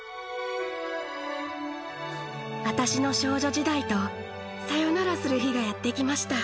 私の少女時代とさよならする日がやって来ました。